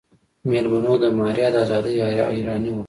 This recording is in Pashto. مېلمنو د ماريا د ازادۍ حيراني وکړه.